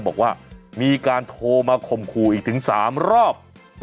บอกว่ามีการโทรมาข่มขู่อีกถึง๓รอบ